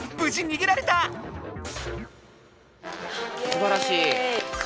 すばらしい。